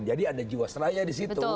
jadi ada jiwa seraya di situ